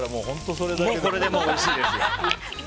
これでもおいしいです。